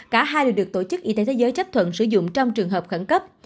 cả hai đều được tổ chức y tế thế giới chấp thuận sử dụng trong trường hợp khẩn cấp